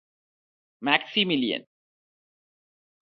മാക്സിമിലിയന്